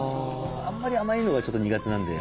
あんまり甘いのがちょっと苦手なんで。